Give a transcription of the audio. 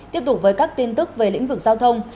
tiếp tục với các tin tức về lĩnh vực giao thông